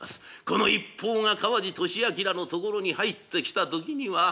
この一報が川路聖謨のところに入ってきた時には。